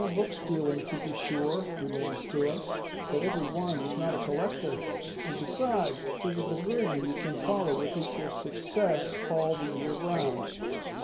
Book stealing, to be sure, remains to us; but every one is not a collector; and, besides, 'tis a diversion you can follow with equal success all the year round.